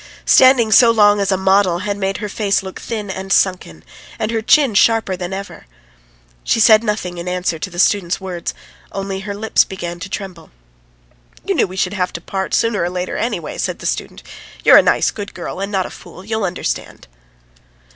Standing so long as a model had made her face look thin and sunken, and her chin sharper than ever. She said nothing in answer to the student's words, only her lips began to tremble. "You know we should have to part sooner or later, anyway," said the student. "You're a nice, good girl, and not a fool; you'll understand.